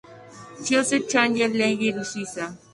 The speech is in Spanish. Chiasso de la Challenge League de Suiza.